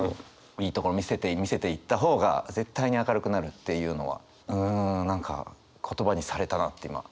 いいところ見せていった方が絶対に明るくなるっていうのはうん何か言葉にされたなって今ちょっと思って。